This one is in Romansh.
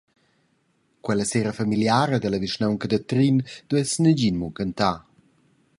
Quella sera familiara dalla vischnaunca da Trin duess negin munchentar.